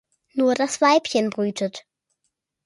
Nur das Weibchen brütet.